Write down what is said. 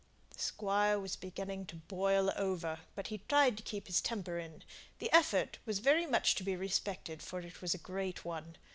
The Squire was beginning to boil over; but he tried to keep his temper in. The effort was very much to be respected, for it was a great one.